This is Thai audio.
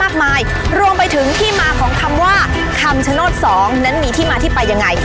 รวมไปถึงที่มาของคำว่าคำชโนธสองนั้นมีที่มาที่ไปยังไง